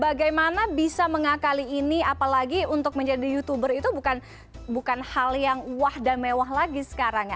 bagaimana bisa mengakali ini apalagi untuk menjadi youtuber itu bukan hal yang wah dan mewah lagi sekarang ya